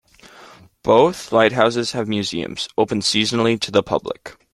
Both lighthouses have museums, open seasonally to the public.